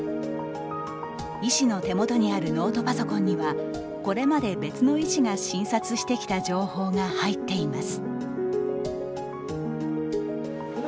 医師の手元にあるノートパソコンにはこれまで別の医師が診察してきた情報が入っています。